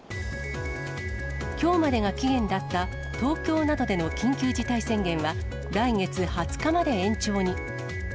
きょうまでが期限だった東京などでの緊急事態宣言は、来月２０日まで延長に。